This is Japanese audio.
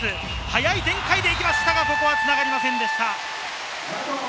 速い展開で来ましたが、ここは繋がりませんでした。